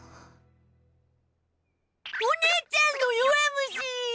お姉ちゃんの弱虫！